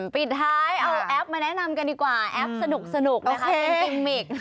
ปิดท้ายเอาแอปมาแนะนำกันดีกว่าแอปสนุกนะคะเป็นกิมมิก